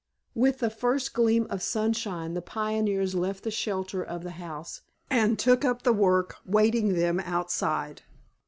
With the first gleam of sunshine the pioneers left the shelter of the house and took up the work waiting them outside.